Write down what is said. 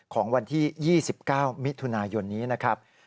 ของวันที่๒๙มิถุนายนนี้นะครับ